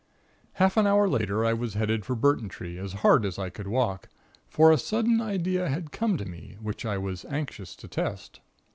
"Half an hour later I was heading for Burtontree, as hard as I could walk; for a sudden idea had come to me, which I was anxious to test.